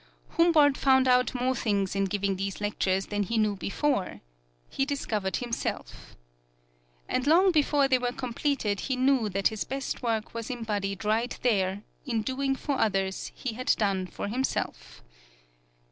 Humboldt found out more things in giving these lectures than he knew before he discovered himself. And long before they were completed he knew that his best work was embodied right here in doing for others he had done for himself.